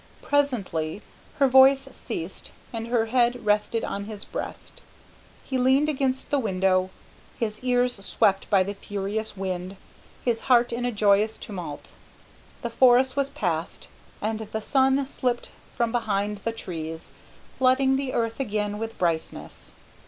Presently her voice ceased, and her head rested on his breast. He leaned against the window, his ears swept by the furious wind, his heart in a joyous tumult. The forest was passed, and the sun slipped from behind the trees, flooding the earth again with brightness.